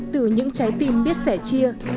từ những trái tim của các cụ từ những trái tim của các cụ